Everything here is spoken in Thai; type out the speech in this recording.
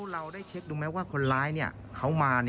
เราได้เช็คดูไหมว่าคนร้ายเขามา